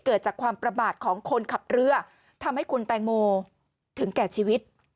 เกิดจากความประมาทของคนขับเรือทำให้คุณแตงโมถึงแก่ชีวิต